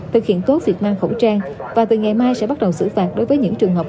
thực hiện tốt việc mang khẩu trang và từ ngày mai sẽ bắt đầu xử phạt đối với những trường hợp